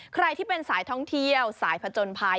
ใครที่เป็นสายท่องเที่ยวสายผจญภัย